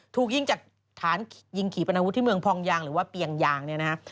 ถูกยิงจากฐานยิงขี่ปนาวุธที่เมืองพองยางหรือว่าเปียงยางเนี่ยนะฮะ